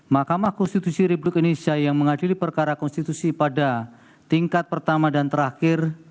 mahkamah konstitusi republik indonesia yang mengadili perkara konstitusi pada tingkat pertama dan terakhir